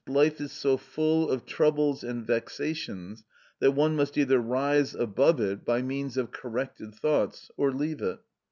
_, life is so full of troubles and vexations, that one must either rise above it by means of corrected thoughts, or leave it.